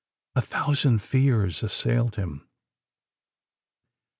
A thousand fears assailed him.